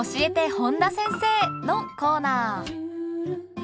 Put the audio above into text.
本田先生」のコーナー。